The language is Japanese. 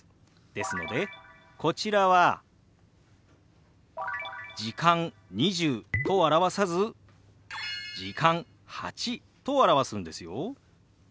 ですのでこちらは「時間」「２０」と表さず「時間」「８」と表すんですよ。